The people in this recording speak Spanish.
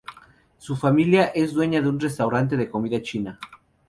Su familia es dueña de un restaurante de comida china.